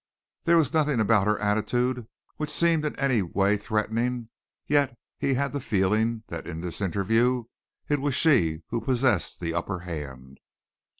There was nothing about her attitude which seemed in any way threatening, yet he had the feeling that in this interview it was she who possessed the upper hand.